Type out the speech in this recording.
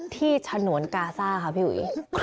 ที่ทศนวนกาซ่าค่ะพี่อุ๋ย